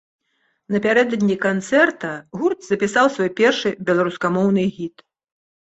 Напярэдадні канцэрт гурт запісаў свой першы беларускамоўны гіт.